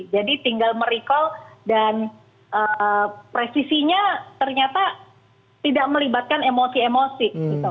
jadi tinggal merecall dan presisinya ternyata tidak melibatkan emosi emosi